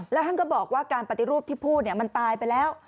แล้วท่านก็บอกว่าการปฏิรูปที่พูดมันตายไปแล้ว